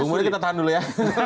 bung budi kita tahan dulu ya